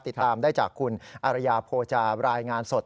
ติดตามได้จากคุณอารยาโพจารายงานสด